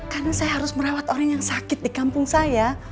karena saya harus merawat orang yang sakit di kampung saya